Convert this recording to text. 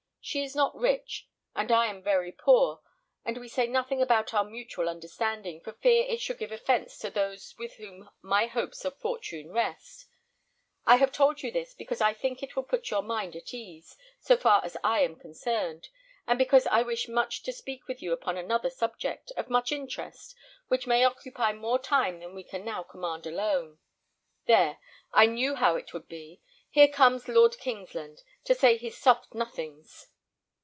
She is not rich, and I am very poor, and we say nothing about our mutual understanding, for fear it should give offence to those with whom my hopes of fortune rest. I have told you this, because I think it will put your mind at ease, so far as I am concerned, and because I wish much to speak with you upon another subject, of much interest, which may occupy more time than we can now command alone. There, I knew how it would be! Here comes Lord Kingsland, to say his soft nothings."